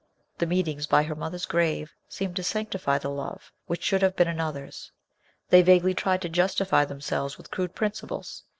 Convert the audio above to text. The meetings by her mother's grave seemed to sanctify the love which should have been another's. Thej vaguely tried to justify themselves with crude prin ciples.